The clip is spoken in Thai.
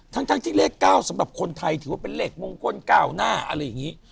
ทั้งที่เลข๙สำหรับคนไทยถือว่าเป็นเลขมงคล๙หน้าอะไรอย่างนี้